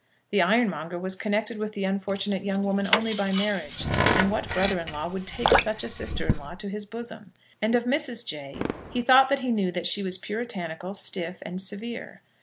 The ironmonger was connected with the unfortunate young woman only by marriage; and what brother in law would take such a sister in law to his bosom? And of Mrs. Jay he thought that he knew that she was puritanical, stiff, and severe.